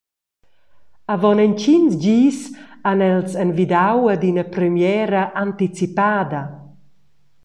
Avon entgins gis han els envidau ad ina premiera anticipada.